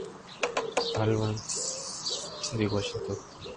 Albans de Washington.